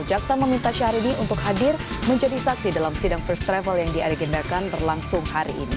jaksa meminta syahrini untuk hadir menjadi saksi dalam sidang first travel yang diaregendakan berlangsung hari ini